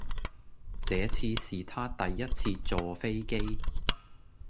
這次是她第一次坐飛機。